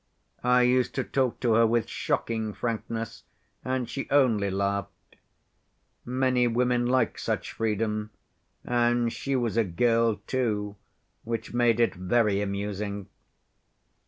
I used to talk to her with shocking frankness, and she only laughed. Many women like such freedom, and she was a girl too, which made it very amusing.